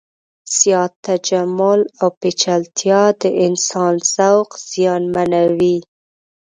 زیات تجمل او پیچلتیا د انسان ذوق زیانمنوي.